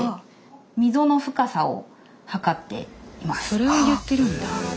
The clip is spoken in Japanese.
それを言ってるんだ。